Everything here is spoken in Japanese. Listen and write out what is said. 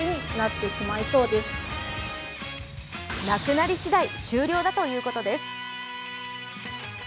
なくなりしだい終了だということです。